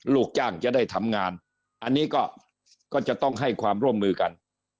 ลูกจ้างจะได้ทำงานอันนี้ก็จะต้องให้ความร่วมมือกัน